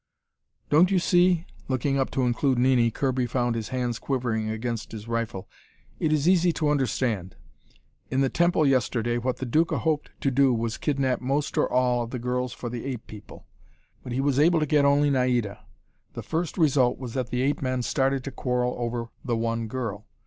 "Don't you see?" Looking up to include Nini, Kirby found his hands quivering against his rifle. "It is easy to understand. In the temple yesterday, what the Duca hoped to do was to kidnap most, or all, of the girls for the ape people. But he was able to get only Naida. The first result was that the ape men started to quarrel over the one girl.